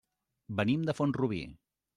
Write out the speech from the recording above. Venim de Font-rubí.